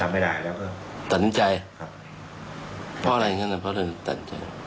ว่าคุณจะได้บุญภูมิสวนเหมือนกัน